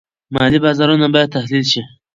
مالي بازارونه باید تحلیل شي.